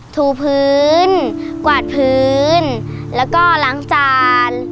ถูพื้นกวาดพื้นแล้วก็ล้างจาน